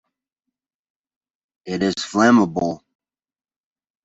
It is flammable.